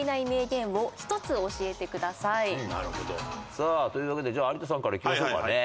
さあというわけでじゃあ有田さんからいきましょうかね。